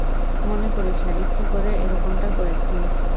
মনে করিস না ইচ্ছে করে এরকমটা করেছি!